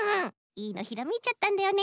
いいのひらめいちゃったんだよね。